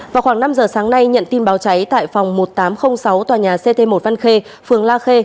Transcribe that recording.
vào khoảng năm giờ sáng nay nhận tin báo cháy tại phòng một nghìn tám trăm linh sáu tòa nhà ct một văn khê phường la khê